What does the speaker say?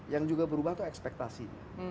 yang juga berubah itu ekspektasinya